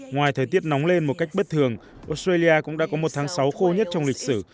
ngoài thời tiết nóng lên một cách bất thường australia cũng đã có một tháng sáu khô nhất trong lịch sử